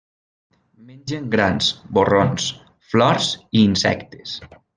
Mengen grans, borrons, flors i insectes.